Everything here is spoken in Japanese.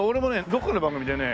どこかの番組でね